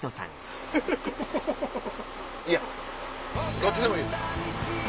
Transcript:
いやどっちでもいいです。